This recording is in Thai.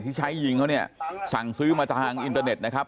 ที่ใช้ยิงเขาเนี่ยสั่งซื้อมาทางอินเตอร์เน็ตนะครับ